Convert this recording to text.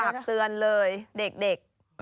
เตือนเลยเด็ก